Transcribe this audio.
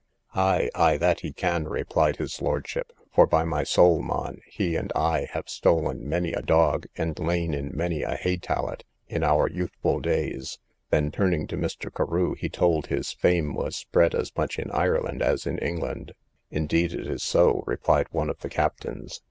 Ay, ay, that he can, replied his lordship; for, by my saul, mon, he and I have stolen many a dog, and lain in many a hay tallet, in our youthful days. Then turning to Mr. Carew, he told his fame was spread as much in Ireland as in England. Indeed it is so, replied one of the captains.